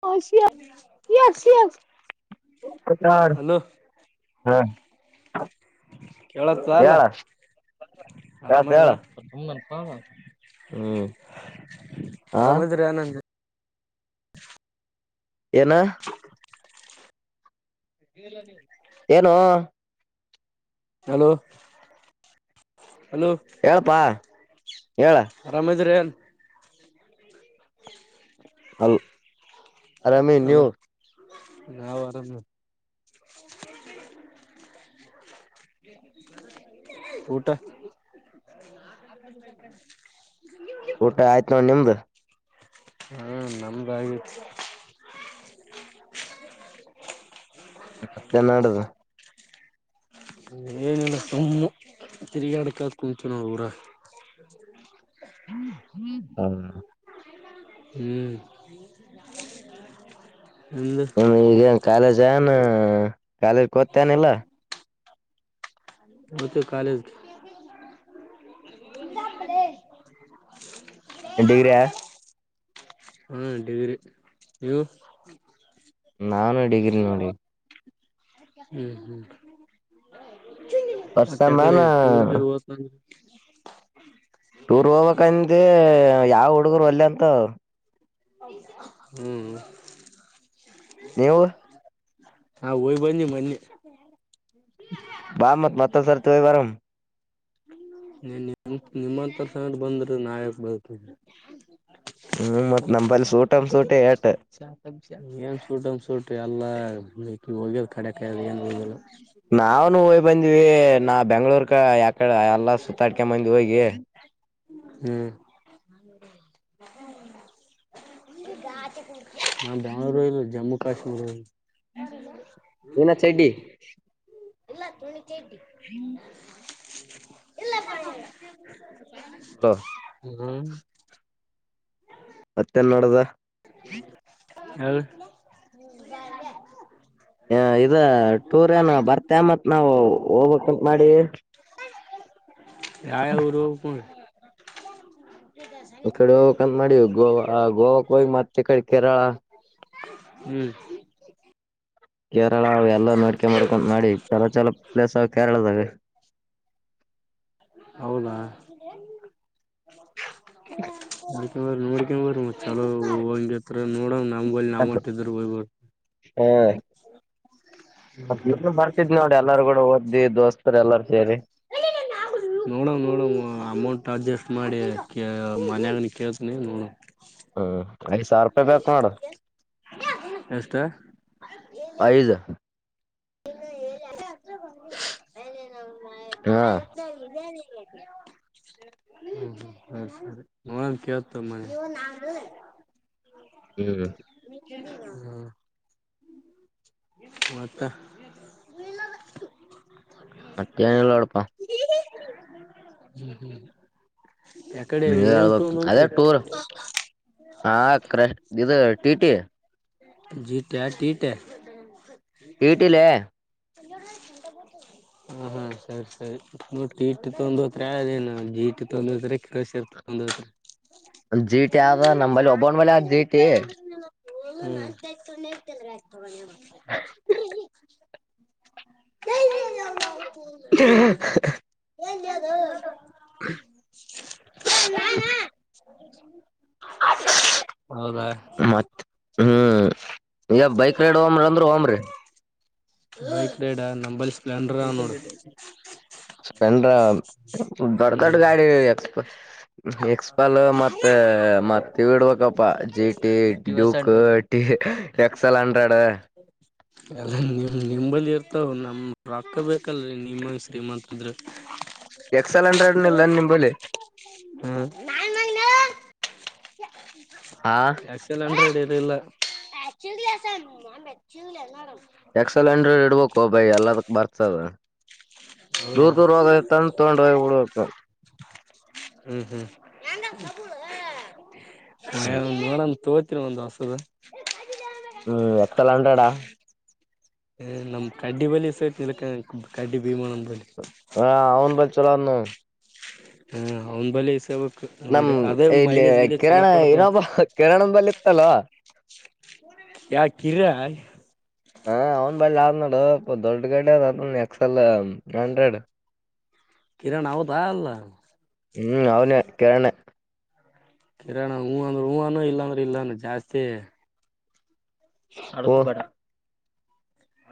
ಹ ಹ್ಮ ಹಲೋ ಕೇಳತ್ತ ಅಲ್ಲ ಹೇಳ ಯತ ಆರಾಮದ ಹ್ಮ್ ಆರಾಮ ಇದೀ್ರ ಆ ನಂದ ಏನ ಏನು ಹಲೋ ಹಲೋ ಹೇಳಪಾ ಹೇಳ ಆರಾಮದ್ರನ್ ಅ ಅಾಮಿ ನ್ಯೂ ನಾವ ವರಾಮ ಊಟ ಊಟ ಆಯ್ತ ನೋ ನಿಮ್ದ ಹಾ ನಮ್ದಾಗಿತ್ತು ಮತ್ತೆನ್ನಡದು ಏನಿಲ್ಲ ಸುಮ್ಮು ತಿರುಗಾಡ ಅಡಕತ್ ಕುಂಚು ನೋಡ ಊರ ಹ್ಮ ಹ್ಮ ಹಾ ಹ್ಮ್ ನಿಮ್ದು ನಿಮ ಈಗ ಕಾಲೇಜ್ ನ್ ಕಾಲೇಜ್ ಕತೇನಿಲ್ಲ ಹತ್ತ ಕಾಲೇಜ ಹ ಎಂಡಡಿಗ್ರಾ ಹಾ ಗೀರಿ ನೀವು ನಾನು ಡಿಗ್ರಿ ನೋಡಿ ಹ್ಮ್ ಹ್ಮ್ ಮತ್ತ ವರ್ಷಮ್ಮಾನ ಕಡೆ ಟೂರ್ ಗೇರ್ ಟೂರ್ ಹೋಗ್ಕ್ಂದ ಯಾವ ಹುಡುಗರು ಒಲ್ಲೆ ಅಂತ ಹ್ಮ್ ನೀವು ಹಾ ಹೋಗ್ ಬಂದಿ ಮೊನ್ನೆ ಬಾಮತ್ ಮತ್ತ ಸರ ಹೋಗಿದ್ದ ಬರಮಾ ನೀನ್ ನಿ ನಿಮ್ಮತ್ತರ ಸಟ್ ಬಂದ್ರೆ ನಾಯಕ್ ಬರ್ತ ಹ್ಮ್ ಮತ್ ನಪಲ್ಲಿ ಸೂಟಮ ಸೂಟ ಏಟ ಏನ್ ಸೂಟ್ ಅನ್ಸೂಟ್ ಎಲ್ಲಾ ಹೋಗಿರ್ ನಾವನು ಹಯ್ ಬಂದಿವವಿ ನಾ ಬೆಂಗ್ಗಳೂರು ಅಕ್ಕ ಯಾಕಡೆ ಎಲ್ಲಾ ಸುತ್ತಾಡ್ಕ ಮಂದ ಹೋಗಿ ಹ್ಮ್ ನಾ ಬೆಂಗ್ಳೂರು ಇಲ್ಲ ಜಮ್ಮು ಕಾಶ್ಮೀರ ಇ ಏನ ಚೆಡಿ ಇಲ್ಲ ತುಣಿ ಚಡ್ಡಿ ಹಲೋ ಹ್ಮ್ ಮತ್ತೆನ್ನಡದ ಹೇಳ್ ಲ್ಲ ಹ ಇದ ಟೂರ್ ಏನ ಬರ್ತೇ ಮತ್ ನಾವವು ಹೋಗ್ಬೇಕಕ್ಂತ ಮಾಡಿ ಯಾವ ಊರು ಪ ಕಡೆ ಹೋಗಕಂತ ಮಾಡಿ ಗೋವಾ ಗೋವಾಕ್ಕೆ ಹೋಗಿ ಮತ್ತೆ ತ ಕಡೆ ಕೇರಳ ಹ್ಮ್ ಕೇರಳ ಎಲ್ಲಾ ನೋಡ್ಕೊಂಡ್ ಬರ್ಕ ನೋಡಿ ಚಲ ಚಲ ಪ್ಲೇಸ್ ಕೇರಳದಾವ ಹೌದಾ ನೋಡಿ ಬ ಚಲೋ ನೋಡಂಗ ನಮ್ ನಾವ ಹೊಟ್ಟಿದರು ಮತ್ತ ಇ ಬರ್ತಿದ್ ನೋಡಿ ಎಲ್ಲಾರೂ ಕೂಡ ಓದ್ಿ ದೋಸ್ತರು ಎಲ್ಲಾರ ಸೇರಿ ನೋಡವ ನೋಡವ ಅಮೌಂಟ್ ಅಡ್ಜಸ್ಟ್ ಮಾಡಿ ಮನಗ ಕೇಳ್ತನಿ ಹ್ಮ್ ಐದ್ ಸಾವಿರ ರೂಪಾಯಿ ಬಕ್ ಮಾಡೋಡ ಎಷ್ಟ ಐದು ಹೇಳಣ [inaudible] ಹ್ಮ ಹಾ ಸರಿ ಸರಿ ನನ್ ಕೇಳ್ತ ಮನೆ ಹ್ಮ್ ಹ್ಮ ಹ್ಮ ಮತ್ತ ಮತ್ತೇನಿಲ್ಲ ನೋಡಪಾ ಹ್ಮ್ ಹ್ಮ್ ಮ ಹಳ್ಬೇಕ ಅದೇ ಟೂರ್ ಹಾ ಕ್ರಶ ಇದು ಟಿ ಟಿ ಜಿಟ ಟಿಟೆ ಇಡಿಲೇ ಹ ಹಾ ಸರಿ ಸರಿ ಇಟ್ ತ ಒಂದುತ್ರ ದಿನ ಜೀಟ್ ತೊಂದಸ್ರೀ ಕ್ರಶರ್ ತೊಂದ್ರೀ ಜಿ ಟಿ ಆದ ನಂಬಲ್ಲಿ ಒಬ್ಬನ್ ಬಲೆ ಆದ ಜಿ ಹಂತಂತ ಟಿ ಹ ಮತತಲ್ಲ ಹ ಎದು ಹ ನಾನ ಹ ಮತ್ತತ್ ಹ್ಮ್ ಈಗ ಬೈಕ್ ರೈಡ್ ಹಮ್ರ ಅಂದ್ರೂ ಹಮ್ರೀ ಆಯ್ತ ಬೇಡ ನಂಬಲತ ಸೈಕಲ್ ತಟ ಸ್ಪನ್ದೊಡ್ಡ ದೊಡ್ಡ ಹ್ಮ್ ಗಾಡಿ ಎಕ್ ಎಕ್ಸ್ಪಲ್ ಮತ್ತ ಮತ್ತ ಇಡ್ಬೇಕಪ್ಪ ಜಿಟಿ ಡ್ಯೂಕ್ ಟ ಎಕ್ಸ್ ಎಲ್ ಹಂಡ್ರೆಡ್ ಎಲ್ಲ ನಿಂಬಲ್ಲಿ ಇರ್ತಾವ ನಮ ರಾಕ್ಕ ಬೇಕಲ್ರಿ ನಿಮ್ಮಂಗ ಶ್ರೀಮಂತದ್ರ ಎಕ್ಸೆಲ್ ಹಂಡ್ರೆಡ್ ನಿ ಇಲ್ಲ ನಿಮ ಬಲಿ ಹ ಮಲ್ಲ ಹಾ ಆನ್ ಮ ಎಲ್ಲ ಎಕ್ಸೆಲ್ ಅಂಡ್ರೆಡ್ ಇಡ್ಬೇಕ ಒಬಯಿ ಎಲ್ಲದಕ್ ಬರ್ತದ ಹೌದಾ ದೂರ್ ದೂರವಾಗ ತಂದು ತಗೊಂಡ ಹೋಗಿ ಉಡಬೇಕು ಹ್ಮ್ ಹ್ಮ್ ನೋಡ ತ ಎತ್ತನ ಬಂದು ವಸದ ಹ್ಮ್ ಎತ್ತಲ್ಲ ಅಟಡ ಹ ನಮ್ ಕಡ್ಡಿ ಬಲಿ ಸಹ ನಿಕ ಕಡ್ಡಿ ಭೀಮಣ್ಣನ್ ಬಲಿ ಹಾ ಅವನು ಬ ಚಲ ಹ್ಮ ಹಂದು ಬಿ ಸ ನಮ್ ನೋಡಿ ಅದೇ ಇಲ್ಲಿ ಮೈಲೇಜ್ ಗಲ ಚಲೋ ಕಿರಣ ಕೊಡ್ತಂತ ಇನ್ನೊಬ್ಬ ಕಿರಣನ್ ಬಲ್ ಇತ್ತಲ್ವ ಯಾಕಿರ ಹ ಅವ್ನ್ ಬಳ್ಳಿ ಆದ್ ನೋಡು ದೊಡ್ ಗಡಿ ಅದ ಅದ ಎಕ್ಸೆಲ್ ಹಂಡ್ರೆಡ್ ಕಿರಣ ಅವದು ಆಲ್ಲ ಹ್ಮ್ ಅವನು ಕಿರಣರಣ ಕಿರರಣಾಣ ಹೂವ ಅಂದ್ರೆ ಹೂವನುೂ ಇಲ್ಲಾಂದ್ರೆ ಇಲ್ಲಾನ ಜಾಸ್ತಿ ಅ ಹಬೇಡ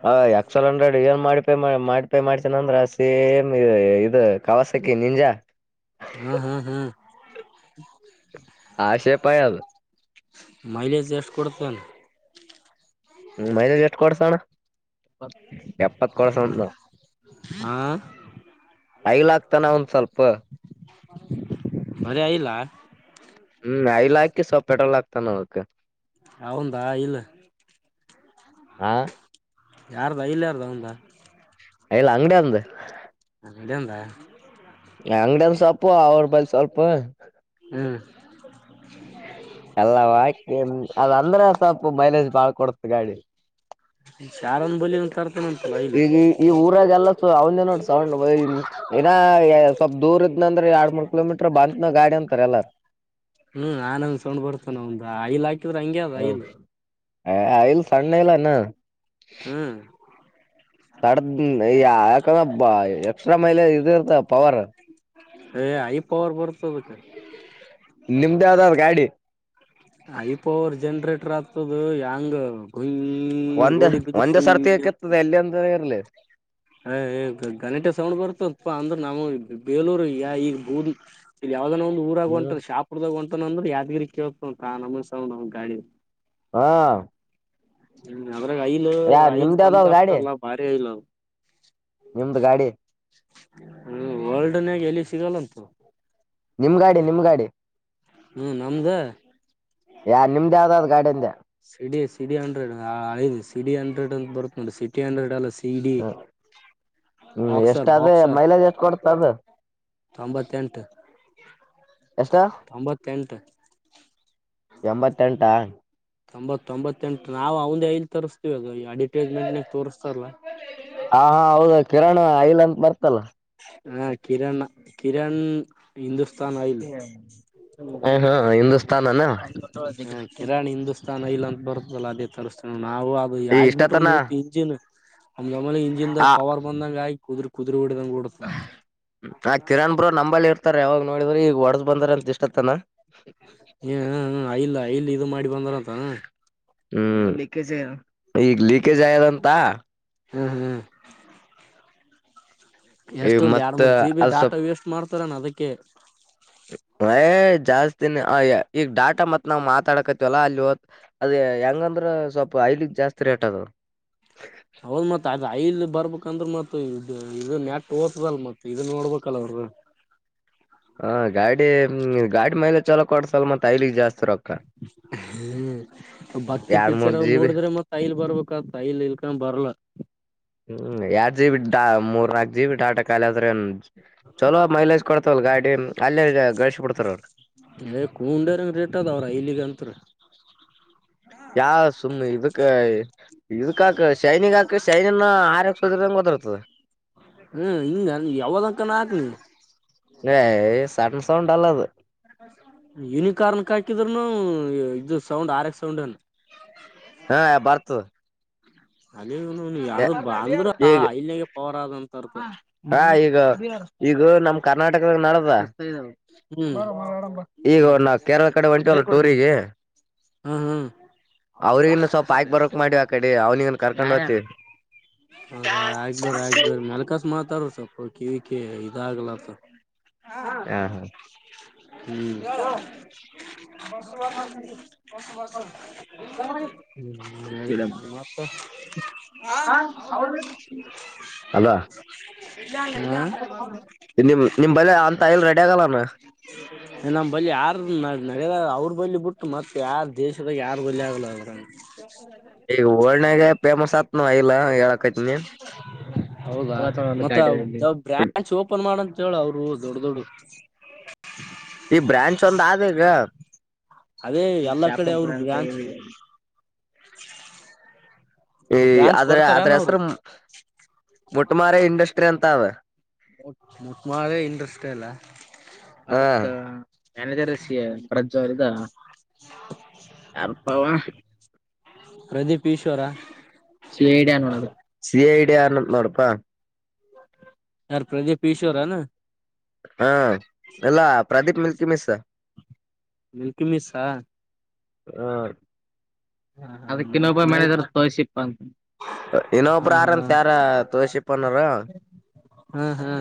ಹ ಎಕ್ಸಲ್ ಹಂಡ್ರೆಡ್ ಏನ್ ಮಾಡಿ ಪೇ ಮಾಡಪೇ ಮಾಡ್ತನಂದ್ರ ಸೇಮ್ ಇದು ಕವಾಸಕಿ ನಿಂಜಾ ಹ್ಮ್ ಹ್ಮ್ ಹ್ಮ್ ಆ ಶೆ ಪಾಯದು ಮೈಲೇಜ್ ಎಷ್ಟು ಕೊಡ್ತೇನೆ ಮೈದಾಜ್ ಎಷ್ಟು ಕೊಡ್ಸೋಣ ಎಪ್ಪತ್ ಕೊಡ್ಸಣ ನಾವ ಹಾ ರೈಲಗ್ತಾನ ಒಂದ ಸ್ವಲ್ಪ ಮರಿ ಇಲ್ಲ ಹ್ಮ್ ಐಲ ಹಾಕಿ ಸ್ವಲ್ಪ ಪೆಟ್ರೋಲ್ ಹಾಕ್ತಾನಕ್ ಹೌದಾ ಇಲ್ಲ ಆ ಯಾರ್ದ ಇಲ್ಲಿ ಯಾರ್ದ ಒಂದ ಎಲ್ಲ ಅಂಗಡಿ ಅಂದು ಎಡ ಹಂದ ಅಂಗಡಿಯನ್ ಸ್ಪು ಅವ್ರ ಬಳಿ ಸ್ವಲ್ಪ ಹ್ಮ್ ಅಲ್ಲ ವಕೆ ಅದಂದ್ರೆ ಸ್ವಲ್ಪ ಮೈಲೇಜ್ ಬಾಳ್ ಕೊಡತ ಗಾಡಿ ಶಾರಂದ ಬಲಿ ಅಂತರ ಈಗ ಈ ಊರಾಗೆಲ್ಲ ಅವನ್ನೋಡೌ ನ ಸ್ವಲ್ಪ್ ದೂರ ಇದ್ನಂದ್ರ ಎರಡ್ ಮೂರ್ ಕಿಲೋಮೀಟರ್ ಬಂದನ ಗಾಡಿ ಅಂತಾರೆ ಎಲ್ಲ. ಹ್ಮ್ ಆನಂದ್ ಸೊಂಡ್ ಬರ್ತೇನ ಆವನ್ದು ಆಯಿಲ್ ಹಾಕಿದ್ರ ಹಂಗೆ ಅದು ಆಯಿಲ್. ಆಯಲ್ಲ ಸಣ್ಣ ಇಲ್ಲ ನ. ಹ್ಮ್ ಸಡದ ಯಾಕಂದ್ರ ಎಕ್ಸ್ಟ್ರಾ ಮೈಲೇಜ್ ಇದಿರ್ತದ ಪವರ. ಏ ಐ ಪವರ್ ಬರ್ತದ ಅದುಕ್ಕೆ. ನಿಮ್ದ ಆದಾವ ಗಾಡಿ. ಐ ಪವರ್ ಜನ್ರೇಟರ್ ಆಗ್ತದ ಹೆಂಗ ಗುಯ್ ಒಂದೇ ಒಂದೇ ಸರ್ತಿ ಹಕಿತದೆ ಎಲ್ಲಿ ಅಂದ ಇರ್ಲಿ. ಹ ಹೇ ಗಲಾಟೆ ಸೌಂಡ್ ಬರುತ್ತಪ್ಪ ಅಂದ್ರ ನಮ್ ಬೇಲೂರ್ ಯ ಈ ಗೂದಿ ಅವದವುನ್ ಒಂದು ಊರಾಗ ಒಂಟನ್ ಶಾಪುರ್ದಾಗ ಹೊಂತಾನ ಅಂದ್ರ ಯಾದಗಿರಿಗ್ ಕೇಳತ ಅವ್ನವುನ್ ಸೌಂಡ್ ನಮ್ ಗಾಡಿ. ಹಾ ಹ್ಮ ಅದ್ರಾಗ ಆಯಿಲು ಯಾ ಐಲ್ ನಿಮ್ದ ತಮ್ದ್ ಯಾವ್ದಾವ್ ಗಾಡಿ ಆಗ್ತಾರಲ್ಲಾ ಬಾರಿ ಆಯಿಲ್ ಅದ್. ನಿಮ್ದ್ ಗಾಡಿ. ಹ್ಮ ವರ್ಡನ್ಯಾಗ ಎಲ್ಲಿ ಸಿಗಲ್ಲಂತೂ. ನಿಮ್ ಗಾಡಿ ನಿಮ್ ಗಾಡಿ. ಹ್ಮ್ ನಮ್ದೆ. ಯಾ ನಿಮ್ದ ಯಾವದ ಅ ಗಾಡಿಂದೆ. ಸಿಡಿ ಸಿಡಿ ಹಂಡ್ರೆಡ್ ಹಳೇದು ಸಿಡಿ ಹಂಡ್ರೆಡ್ ಅಂತ ಬರುತ್ತ ನೋಡಿ ಸಿಟಿ ಹಂಡ್ರೆಡ್. [unintelligible] C D. ಹ್ಮ್ ಎಷ್ಟ ಅದ ಮೈಲೇಜ್ ಎಷ್ಟು ಕೊಡ್ತದ ಆದು. ತೊಂಬತ್ತೆಂಟು ತೊಂಬತ್ತೆಂಟು. ಎಂಬತ್ತೆಂಟಾ. ತೊತ್ತ ತೋಂಬತ್ತೆಂಟು ನಾವು ಅವಂದೈದ್ ತರಿಸ್ತೀವಿ ಅದು ಈ ಅಡ್ರ್ಟೈಸ್ಮೆಂಟ್ ನಾಗ ತೋರಿಸ್ತ [unintelligible] ತರ್ಲ. ಕಿರಣ ಆಯ್ಲ್ ಅಂತ ಬರ್ತ್ತ ಹಾ ಕಿರಣ್ ಕಿರಣ್. ಹಿಂದೂಸ್ತಾನ್ ಆಯಿಲ್ ಹ ಹಾ ಹಿಂದೂಸ್ತಾನೆನ. ಹಾ ಕಿರಾಣಿ ಹಿಂದೂಸ್ತಾನ ಯೈಲ್ ಅಂತ ಬರುತ್ತಲ್ಲ ಅದೇ ತರಿಸಸ್ತೇ ನಾವು ಅದು ಈ ಆಗ್ಬಿಟ್ರ ಇಷ್ಟತನ ಮುಗೀತು ಇಂಜಿನ್. ಅಮ್ಮೇಲೆ ಇಂಜಿನ್ದಾಗ ಪವರ್ ಬಂದಂಗಾಗಿ ಕು ಕುುದುರ್ ಹ ಆ ಕಿರಣ್ ಬ್ರೋ ನಂಬಲ್ಲಿ ಇರ್ತಾರ ಯಾವಾಗ ನೋಡಿದ್ರರು ಈಗ ಒಡ್ದ ಬಂದಾರ ಅಂತ ಇಷ್ಟತ್ತನ. ಹಏ ಹ ಐಲ್ಲ್ ಆಇಲ್ಲಿ ಇದು ಮಾಡಿ ಬಂದಾರಂತಾನ. ಹ್ಮ್ ಈಗ ಲೀಕೇಜ್ ಆಗದಂತ. ಹ್ಮ್ ಹ್ಮ್ ಎಷ್ಟೊಂದ್ ಎರಡ್ ಮತ್ ಮೂರ್ ಜಿ ಬಿ ಅದ್ ಡಾಟಾ ಸ್ವಪ್ ವೇಸ್ಟ್ ಮಾಡ್ತಾರೇನ ಅದಕ್ಕೆ. ಯ ಜಾಸ್ತಿನೆ ಅ ಈಗ ಡಾಟಾ ಮತ್ ನಾವ್ ಮಾತಾಡಕತಿವಲ್ಲ ಅಲ್ಲಿ ಹೋ ಅದ ಹೆಂಗ. ಅಂದ್ರ ಸ್ವಲ್ಪ ಅಯಿಲ್ ಜಾಸ್ತಿ ರೇಟ್ ಅದು. ಹ ಹೌದ್ ಮತ್ ಅದ್ ಐಲ್ ಬರ್ಬೇಕಂದ್ರ ಮತ್ತ್ ಇದು ಇದು ನೆಟ್ ಓತುದಲ್ ಮತ್ ಇದ ನೋಡ್ಬೇಕಲ್ ಅವ್ರು. ಹ ಹ ಗಾಡಿಂ ಗಾಡಿ ಮೈಲೇಜ್ ಚಲೋ ಕೊಡ್ತದಲ ಮತ್ತ್ ಆಯಿಲೀಗೆ ಜಾಸ್ತಿ ರೋಕ್ಕ. ಹ್ಮ್ ಭಕ್ತಿ ಎರಡ್ ಮೂರ್ ಪಿಕ್ಚರ್ ಅವ ಜಿ ಬಿ ನೋಡಿದ್ರೆ ಮತ್ತ್ ಆಯಿಲ್ಲ್ ಬರ್ಬೇಕು. ಅಕ್ಕ ತೈಲ್ ಇಲ್ಕ ಬರ್ಶಲ್ಲ. ಹ್ಮ್ ಎಡ್ ಜಿ ಬಿ ಡಾ ಮೂರ್ ನಾಕ್ ಜಿ ಬಿ ಡಾಟಾ ಖಾಲಿ ಆದ್ರೇನ್. ಚಲೋ ಮೈಲೇಜ್ ಕೊಡ್ತವಲ್ ಗಾಡಿ ಅಲ್ಲೇ ಗಳಿಸಿ ಬಿಡ್ತಾರ. ಇ ಕೂಂಡರಂಗ ರೇಟ್ ಅದಾವ್ರ ಇಲ್ಲಿಗ ಅಂತರ್. ಯಾವ ಸುಮ್ಮ್ನೆ ಇದಕ್ಕ ಇದಕ್ಕಾಕ ಶೈನಿಗಾಕ ಶೈನ ಆರ್ ಸೋದದಂಗ ವದರ್ತದೆ. ಹ್ಮ್ ಹಿಂಗ ನೀ ಯಾವದಕಾನ ಹಾಕ್ಲೀ. ಸಟನ್ ಸೌಂಡ್ ಅಲ್ಲದು. ಯುನಿಕಾರ್ನ್ಕ್ ಹಾಕಿದ್ರುನು ಇದು ಸೌಂಡ್ ಆರೆಕ್ಸ್ ಸೌಂಡೆ. ಹಾ ಬರ್ತು ಅಲ್ಲಿ ಯಾವ ಅಂದ್ರ ಈಗ ಐಲ್ನಾಗ ಪವರ್ ಆದ ಅಂತ ಅರ್ಥ ಹಾ ಈಗ ಈಗ ಇದು ನಮ್ ಕರ್ನಾಟಕದಾಗ ನಡದ ಹ್ಮ್ ಈಗ ನಾ ಕೇರಳ ಕಡೆ ಹೊಂಟವಲ್ಲ ಟೂರಿಗೆ ಹ್ಮ ಹ್ಮ್ ಅವ್ರಿಗನ್ನ ಸ್ವಲ್ಪ ಆಾಕ್ ಬರಕ್ ಮಾಡಿವ ಆ ಕಡೆ ಅವ್ನಿಗನ್ ಕರ್ಕೊಂಡ್ ಹೋಗ್ತಿ ಅೌದ ಆಗ್ ಬ್ರ ಆಗ್ ಬೇ್ರ ಮೆಲ್ಕಾಸ ಮಾತಾಡರು ಸ್ವಲ್ಪ ಕಿವಿಕ ಇದ ಆಾಗಲತ್ತ ಹಾ ಹಾ ಹ ಬಸ ಬ ಹ್ಮ ಮತ ಹಾ ಹ ದ ಅದ ನಿಮ ನಿಮ್ ಬಳ ಅಂತ ಎಲ್ ರೆಡಿ ಆಗಲ್ಲಾನ ನಮ್ಮ್ ಬಳಿ ಯಾರ ನ ನಡ್ಯದ ಅವ್ರ ಬಲಿ ಬಿಟ್ಟು ಮತ್ತೆ ಯಾರ ದೇಶದಾಗ ಯಾರು ಬಲಿ ಆಗ್ಲ ಅಂದ್ರ ಈಗ ರ್ನಗೆ ಫೇಮಸ್ ಆತ್ನ ಇಲ್ಲ ಹೇಳಕತ್ನ ಹೌದಾ ಮತ್ತ ಬ್ರ್ಯಾಂಚ್ ಓಪನ್ ಮಾಡಂತ ಹೇಳ ಅವ್ರು ದೊಡ ದೊಡ ಈ ಬ್ರಾಂಚ್ ಒಂದ್ ಆದ ಈಗ ಅದೇ ಎಲ್ಲಾ ಕಡೆ ಶಾಪರ್ ಅವರು ಪ್ರಾಂತ್ ಸರಿ ಬ್ರಾಂಚ್ ಈ ಬ್ರಾಂಚ್ ಆದದ್ರ ಅದ್ರ ಕೊಡ್ತಾರನ ಅವ್ರು ಹೆಸರು ಮೊಟ್ಟಮಾರ ಇಂಡಸ್ಟ್ರಿ ಅಂತ ಅವ ಮಟ್ ಮಳೆ ಇಟಷ್ಟೇ ಅಲ್ಲ ಹಾ ಮನಜರಸಿ ಪ್ರಜ್ವರದ ಯಾರ್ ಪಾವ ಪ್ರದೀಪ್ ಈಶ್ವರ ಸಿ ಐಡಿಯ ಸಿ ಐಡಿಯನ್ ನೋಡಪಾ ಯಾರ ಪ್ರದೀಪ್ ಈಿಶೋರಾನ ಹಾ ಎಲ್ಲಾ ಪ್ರದೀಪ್ ಮಿಲ್ಕಿ ಮಿಸ್ ಮಿಲ್ಕಿ ಮಿಿಸಾ ಹ ಹಾ ಅದಕ್ಕನ್ನೊಬ್ಬ ನಡ ಮ್ಯಾನೇಜರ್ ಸಿ ಹಾ ಇನ್ನೊಬ್ರು ಹಾ ಆರಾಮತ್ಯಾರ ತೋಸಿ ಪನಾರ ಹಾ ಹಾ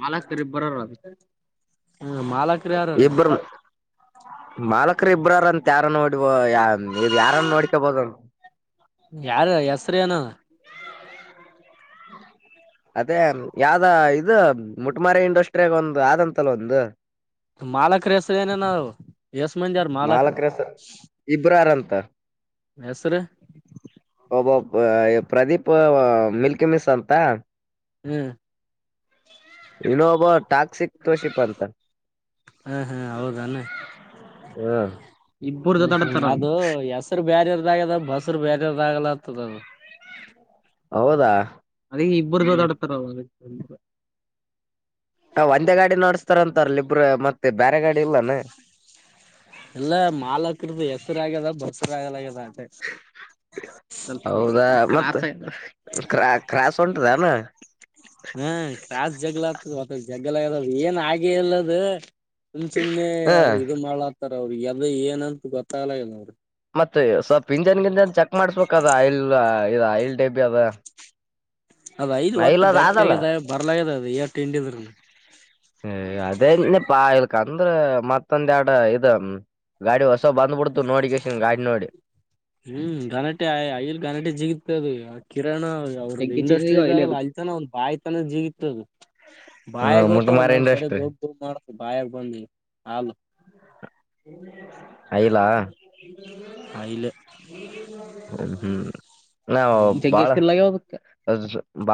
ಮಾಲ ರಿಬ್ಬರ ರಾಜ ಹ್ಮ ಮಾಲಕರಿ ಯಾರ್ರ ಮಾಲಕರು ಇಬ್ರಾರಂತ ಯಾರ ನೋಡಿ ಇ ಯಾರನ್ನು ನೋಡ್ಕೊಬಹದು ಯಾರ ಹೆಸರಿ ನ ಅದೇ ಯಾವ್ದ ಇದು ಮುಟಮಾರ ಇಂಡಸ್ಟ್ರಿಯಾಗ ಒಂದು ಆದಂತಲ್ಲ ಒಂದು ಮಾಲಕ ರ ಹೆಸ ಏನೇ ನಾವು ಎಸ್ ಮಂದಿಾರ ಮಾಲಕ ಮಾಲಕರು ರಸ ಇಬ್ರಾರಂತ ಹೆಸರ ಒಬ್ಬ ಪ್ರದೀಪ್ ಮಿಲ್ಕಿ ಮಿಸ್ ಅಂತ ಹ್ಮ್ ಇನ್ನೊಬ್ಬ ಟಾಕ್ಸಿಕ್ ಕೋಶಿಪ್ ಅಂತ ಹಾ ಹಾ ಹೌದಾನೆ ಹ್ಮ್ ಹ್ಮ್ ಹ್ಮ ಅದು ಹೆಸರು ಬ್ಯರೆರ್ದಾಗ್ಯದ ಬಸರು ಬ್ಯರೆರ್ದಾಗಲ ಹತದ ಅದು ಹೌದಾ ಅದ ಹ್ಮ್ ಇಬ್ಬರು್ದ ೋಡಾಡ್ತಾರ ಹ ಒಂದೇ ಗಾಡಿ ನಡ್ಸ್ತಾರಂತಾರಲಿ ಇಬ್ರ ಮತ್ತೆ ಬೇರೆ ಗಾಡಿ ಇಲ್ಲಾನ ಎಲ್ಲ ಮಾಲಕರದ್ದ ಹೆಸರು ಆಗ್ಯದ ಬಸರು ಆಗ್ಯದ ಆಗ್ಯದ ಅಟೆ ಹೌದಾ ಮತ್ತ ಕಾ ಕ್ರಾಸ ಉಂಟದನು ಹಾ ಕ್ರಾಸ್ ಜಗ್ಗಳ ಆಗ್ತದ ಜಗ್ಗಳ ಅದ ಏನ್ ಆಗಿ ಇಲ್ಲದ ಸುಮ್ ಸುಮ್ನೆ ಹ ಅದು ಇದು ಮಾಡ್ಲಾತಾರ ಅವ್ರರು ಎದ ಏನಂತ ಗೊತ್ತಾಗಲ ಇಲ್ಲ ಅವ್ರರು ಮತ್ತೆ ಸ್ವಲ್ಪ್ ಇಂಜನ್ ಗಿಂಜನ್ ಚೆಕ್ ಮಾಡ್ಸ್ಬೇಕ ಅದ ಆಯಿಲ್ ಇ ಆಯಿಲ್ ಟೈಬಿ ಅದ ಅದ್ ಐದು ಒಟ್ಟು ಆಯಿಲ್ ಅದ ಗಟ್ಟ ಅದಲ್ಲ ಆಗಿದೆ ಬರ್ಲದ ಅದು ಎಷ್ಟು ಹಿಂಡಿದ್ರನು ಹ ಅದೇೆ ಪಾ ಇಲ್ಕ ಅಂದ್ರ ಮತ್ತೊಂದ ಎರಡು ಇದ ಗಾಡಿ ವಸ್ ಹ್ಮ್ ಗನಟೆ ಅಯಲ್ಲಿ ಗನಟೆ ಜಿಗತ ಅದು ಕಿರಣ ಅವ್ರದ್ದ ಇಂಡಸ್ಟ್ರಿ ಇದ ಅಲ್ಲಿತನ ಒಂದ್ ಬಾಯಿತನ ಜೀವಿತ್ತು ಅದು ಹ್ಮ ಮುಟ್ಟ ಬಾಯಗೋಗ್ತವ್ ಮಾರ ಒನ್ನೊಂದ್ ಸರಿ ಇಂಡಸ್ಟ್ರಿ ಗೋ [unintelligible] ಮಾಡ್ತ ಬಾಯಾಗ ಬಂದ್ ಹಾಲು. [inaudible] ಆಯಿಲ್ ಅಯಿಲ್ ಹ್ಮ ಹ್ಮ್ ನ [unintelligible]